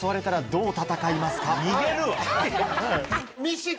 逃げるわ！